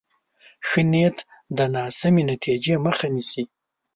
ښه نیت د ناسمې نتیجې مخه نیسي.